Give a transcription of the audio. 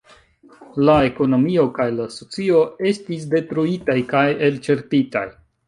La ekonomio kaj la socio estis detruitaj kaj elĉerpitaj.